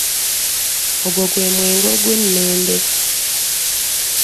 Ogwo gwe mwenge ogw'ennembe.